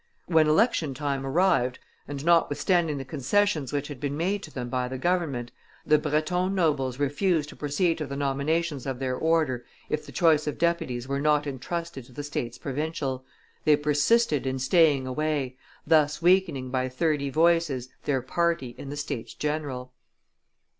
When election time arrived, and notwithstanding the concessions which had been made to them by the government, the Breton nobles refused to proceed to the nominations of their order if the choice of deputies were not intrusted to the states provincial; they persisted in staying away, thus weakening by thirty voices their party in the States general.